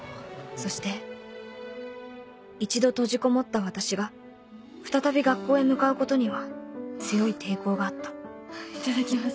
そして一度閉じこもった私が再び学校へ向かうことには強い抵抗があった